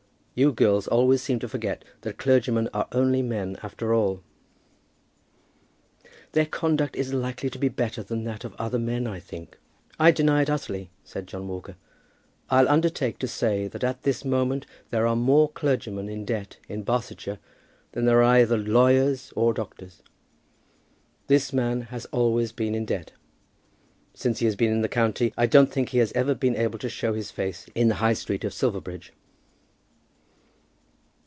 You girls always seem to forget that clergymen are only men after all." "Their conduct is likely to be better than that of other men, I think." "I deny it utterly," said John Walker. "I'll undertake to say that at this moment there are more clergymen in debt in Barsetshire than there are either lawyers or doctors. This man has always been in debt. Since he has been in the county I don't think he has ever been able to show his face in the High Street of Silverbridge."